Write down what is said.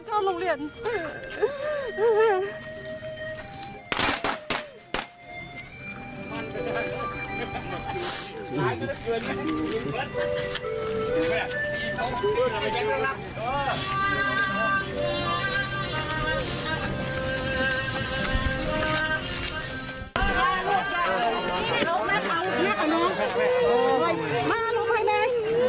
หวังว่าเคยรีบยุ่งคืออนาคารทยนต์